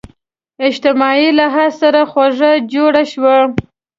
اجتماعي لحاظ سرخوږی جوړ شو